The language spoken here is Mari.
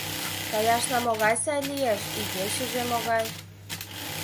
— Каяшна могай сай лиеш, игечыже могай!